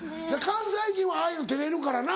関西人はああいうの照れるからな。